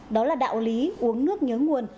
đó là đạo lý uống nước nhớ nguồn